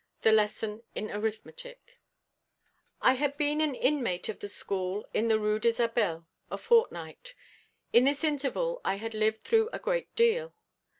THE LESSON IN ARITHMETIC I had been an inmate of the school in the Rue d'Isabelle a fortnight. In this interval I had lived through a great deal.